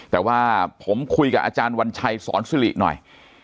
แต่ว่าผมคุยกับอาจารย์วัญชัยสอนสิริหน่อย